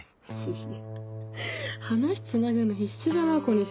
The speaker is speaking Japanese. いや話つなぐの必死だなぁ小西。